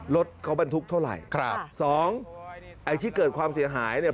รถเขาบรรทุกเท่าไหร่ครับสองไอ้ที่เกิดความเสียหายเนี่ย